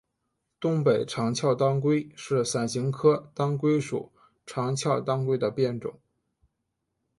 东北长鞘当归是伞形科当归属长鞘当归的变种。